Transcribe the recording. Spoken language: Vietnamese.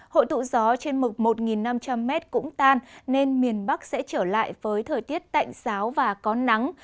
hội tụ gió trên mực một năm trăm linh m cũng tan nên miền bắc sẽ trở lại với thời tiết tạnh giáo và có nắng